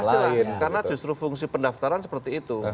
pasti lah karena justru fungsi pendaftaran seperti itu